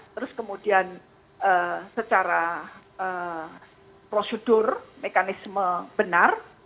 terus kemudian secara prosedur mekanisme benar